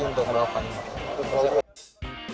dan kita bisa berpikir bagaimana kita akan berpikir